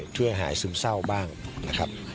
ช่วยหายซึมเศร้าบ้างนะครับ